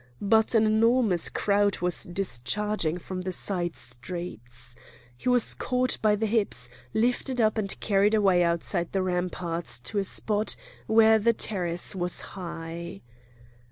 But an enormous crowd was discharging from the side streets. He was caught by the hips, lifted up and carried away outside the ramparts to a spot where the terrace was high.